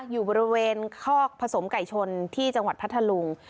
อยู่บริเวณคอกผสมไก่ชนที่จังหวัดพัทธลุง